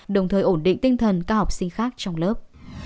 đồng thời ổn định tinh thần các học sinh khác trong lớp